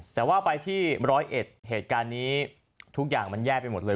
แต่ว่าไปที่ร้อยเอ็ดเหตุการณ์นี้ทุกอย่างมันแย่ไปหมดเลย